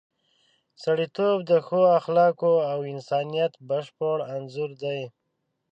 سړیتوب د ښو اخلاقو او د انسانیت بشپړ انځور دی.